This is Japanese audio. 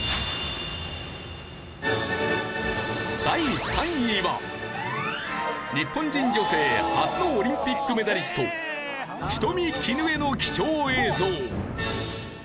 第３位は日本人女性初のオリンピックメダリスト人見絹枝の貴重映像。